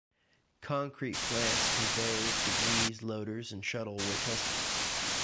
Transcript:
Concrete plants, conveyors, degrees, loaders and shuttle were tested.